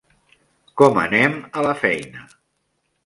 Com anem a la feina?